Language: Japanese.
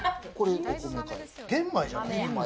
玄米じゃない？